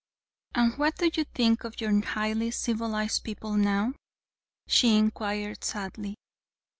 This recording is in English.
"And what do you think of your highly civilized people now?" she inquired sadly.